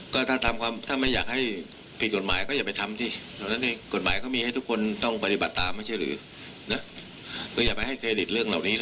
ก็อย่าไปให้เคลดิตอะไรแล้ว